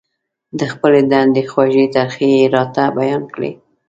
د خپلې دندې خوږې ترخې يې راته بيان کړې.